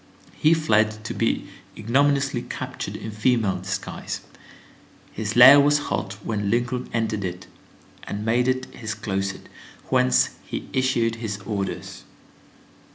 He fled, to be ignominiously captured in female disguise. His lair was hot when Lincoln entered it, and made it his closet, whence he issued his orders.